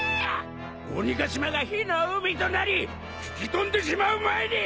鬼ヶ島が火の海となり吹き飛んでしまう前に。